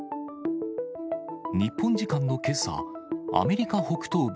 日本時間のけさ、アメリカ北東部